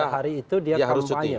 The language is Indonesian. pada hari itu dia harus cuti